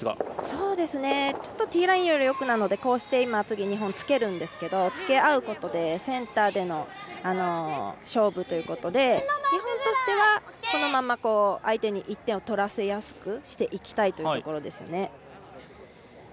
ちょっとティーラインよりも奥なのでこうして日本つけるんですけどつけ合うことでセンターでの勝負ということで日本としてはこのまま相手に１点取らせやすくしていきたいというところです。